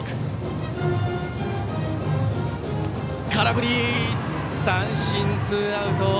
空振り三振、ツーアウト！